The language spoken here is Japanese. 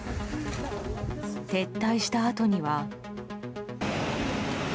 撤退したあとには。